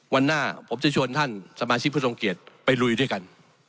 วันหน้าผมจะชวนท่านสมาชิกผู้ทรงเกียจไปลุยด้วยกัน